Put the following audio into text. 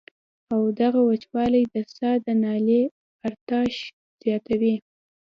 او دغه وچوالی د ساه د نالۍ ارتعاش زياتوي